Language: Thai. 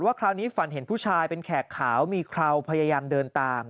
คราวนี้ฝันเห็นผู้ชายเป็นแขกขาวมีเคราวพยายามเดินตาม